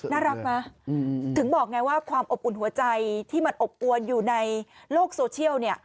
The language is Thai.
น่ารักนะถึงบอกไงว่าความอบอุ่นหัวใจที่มันอบอวนอยู่ในโลกโซเชียลเนี่ย